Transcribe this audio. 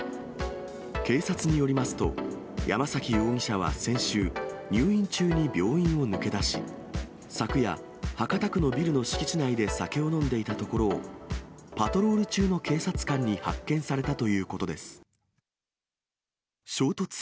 警察によりますと、山崎容疑者は先週、入院中に病院を抜け出し、昨夜、博多区のビルの敷地内で酒を飲んでいたところを、パトロール中の警察官に発見されたということです。